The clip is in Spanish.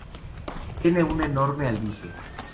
Tiene un enorme aljibe.